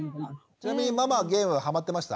ちなみにママはゲームハマってました？